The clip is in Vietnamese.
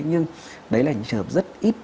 nhưng đấy là những trường hợp rất ít